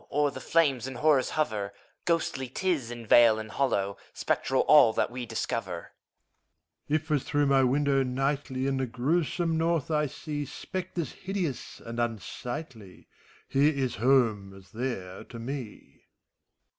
O'er the flames and horrors hover! Ghostly 't is in vale and hollow, Spectral all that we discover. MEPHISTOPHELES. If, as through my window nightly In the grewsome North, I see Spectres hideous and unsightly, Here is home, as there, to me.